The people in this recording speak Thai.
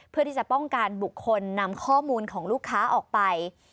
เพื่อที่จะป้องกันบุคคลนำข้อมูลของลูกค้าออกไป